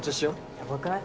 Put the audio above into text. ヤバくない？